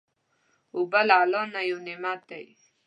اوبه له الله نه یو نعمت دی.